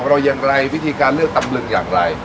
เช่นอาชีพพายเรือขายก๋วยเตี๊ยว